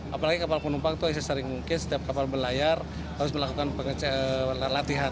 apalagi kapal penumpang itu sesering mungkin setiap kapal berlayar harus melakukan latihan